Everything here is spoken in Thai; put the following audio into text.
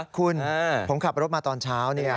คุณผมขับรถมาตอนเช้า